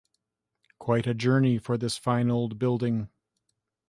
Quite a journey for this fine old building!